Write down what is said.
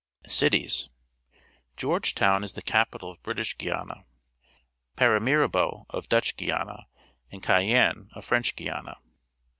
Ci^e&. Georgetoivn is the capital of British Guiana, Paramaribo of Dutch Guiana, and Cayenne of French Guiana.